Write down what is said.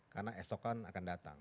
karena esokan akan datang